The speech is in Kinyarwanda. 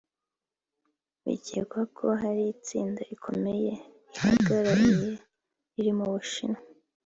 bikekwa ko hari itsinda rikomeye rihagarariye Pyongyang riri mu Bushinwa